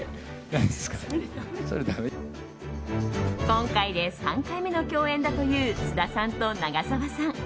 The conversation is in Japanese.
今回で３回目の共演だという菅田さんと長澤さん。